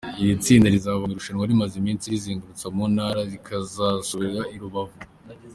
Iri tsinda rizava mu irushanwa rimaze iminsi rizenguruka mu ntara, rikazasorezwa i Rubavu.